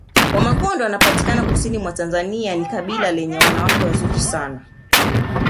Wamakonde wanapatikana kusini mwa Tanzania ni kabila lenye wanawake wazuri sana